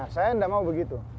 saya tidak mau begitu